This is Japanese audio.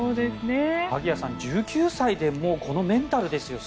萩谷さん１９歳でこのメンタルですよ。